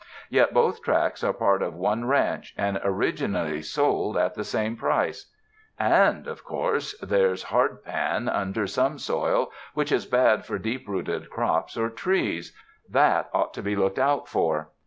Yet both tracts are part of one ranch and originally sold at the same price. And of course, there's hardpan un 255 UNDER THE SKY IN CALIFORNIA der some soil, which is bad for deep rooted crops or trees — that ought to be looked out for.